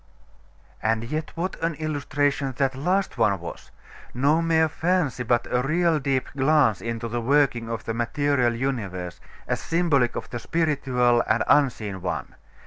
'.... And yet, what an illustration that last one was! No mere fancy, but a real deep glance into the working of the material universe, as symbolic of the spiritual and unseen one.